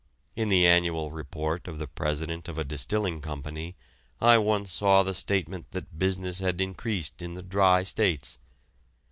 In the annual report of the president of a distilling company I once saw the statement that business had increased in the "dry" states.